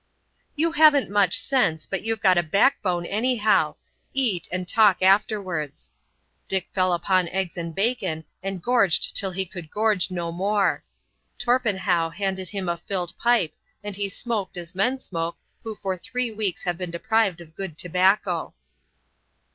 "You haven't much sense, but you've got a backbone, anyhow. Eat, and talk afterwards." Dick fell upon eggs and bacon and gorged till he could gorge no more. Torpenhow handed him a filled pipe, and he smoked as men smoke who for three weeks have been deprived of good tobacco.